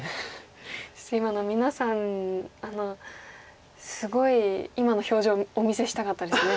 ちょっと今皆さんすごい今の表情お見せしたかったですね